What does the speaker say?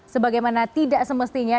sebagaimana tidak semestinya